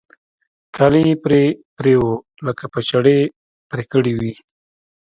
كالي يې پرې پرې وو لکه په چړې پرې كړي وي.